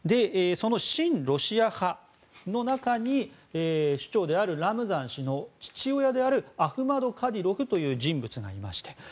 その親ロシア派の中に主張であるラムザン氏の父親のアフマド・カディロフという人物がいました。